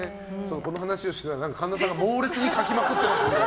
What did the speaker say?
この話をしながら神田さんが猛烈に書きまくってますので。